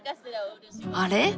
あれ？